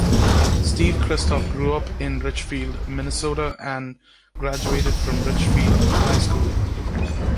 Steve Christoff grew up in Richfield, Minnesota and graduated from Richfield High School.